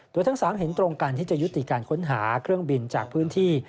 โดยทั้ง๓เห็นตรงกันที่จะยุติการค้นหาเครื่องบินจากพื้นที่